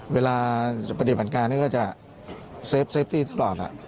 เวลาประเด็นปัญญาการนี้ก็จะเซฟที่ตลอดอ่ะ